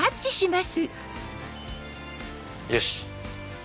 よし！